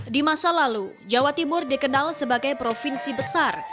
di masa lalu jawa timur dikenal sebagai provinsi besar